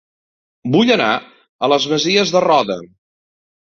Vull anar a Les Masies de Roda